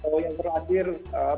atau yang terakhir eee